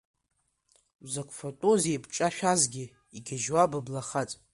Закә фатәузеи ибҿашәазгьы, Игьежьуа быблахаҵ.